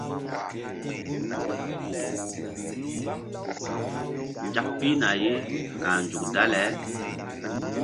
Nzak pihna ye ka̧h nzuk dale.